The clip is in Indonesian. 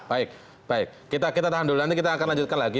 baik baik kita tahan dulu nanti kita akan lanjutkan lagi